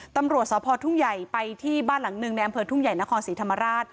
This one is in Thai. ตำรวจสพทุ่งใหญ่ไปที่บ้านหลังหนึ่งในอำเภอทุ่งใหญ่นครศรีธรรมราช